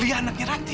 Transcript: lihat anaknya ranti